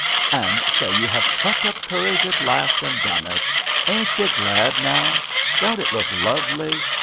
And so you have plucked up courage at last and done it I Ain't you glad, now? Don't it look lovely?